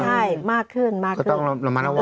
อ่ามักขึ้นก็ต้องระมัดระวัง